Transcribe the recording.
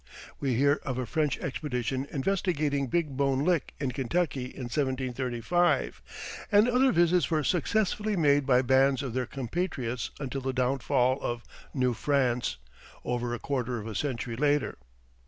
We hear of a French expedition investigating Big Bone Lick, in Kentucky, in 1735; and other visits were successively made by bands of their compatriots until the downfall of New France, over a quarter of a century later.